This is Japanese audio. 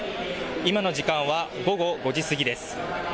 今の時間は午後５時過ぎです。